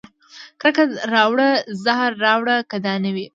کرکه راوړه زهر راوړه که دا نه وي